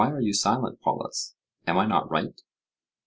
Why are you silent, Polus? Am I not right?